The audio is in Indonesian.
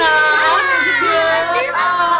oh enak banget